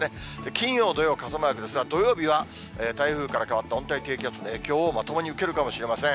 金曜、土曜、傘マークですが、土曜日は台風から変わった温帯低気圧の影響をまともに受けるかもしれません。